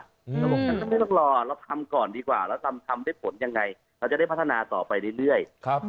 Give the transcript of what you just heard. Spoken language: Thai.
เราบอกฉันไม่ต้องรอเราทำก่อนดีกว่าแล้วทำได้ผลยังไงเราจะได้พัฒนาต่อไปเรื่อย